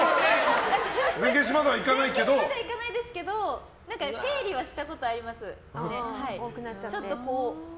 全消しまではいかないですけど整理はしたことありますね。